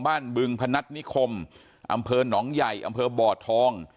บึงพนัฐนิคมอำเภอหนองใหญ่อำเภอบ่อทอง